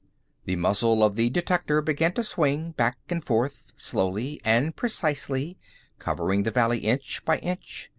The muzzle of the detector began to swing back and forth slowly and precisely, covering the valley inch by inch.